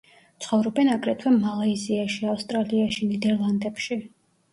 ცხოვრობენ აგრეთვე მალაიზიაში, ავსტრალიაში, ნიდერლანდებში.